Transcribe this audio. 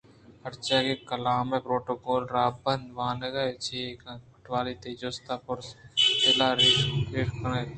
پرچا کہ کلام ءِپروٹوکول ءِ راہ ءُرَہبندءِ وانگ ءَ چے کنت ؟پٹواری ! تئی جست ءُپرس دلءَریش کن اَنت